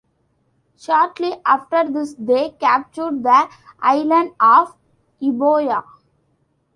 Shortly after this, they captured the island of Euboea.